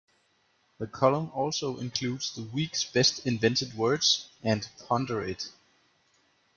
The column also includes the Week's Best Invented Words and Ponder It.